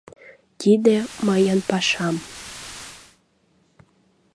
Тиде — мыйын пашам